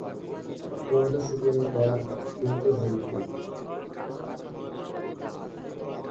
শেষে বন্য শূকরের দ্বারা নিহত হন তিনি।